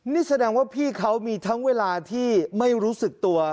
นี่แสดงว่าพี่เขามีทั้งเวลาที่ไม่รู้สึกตัว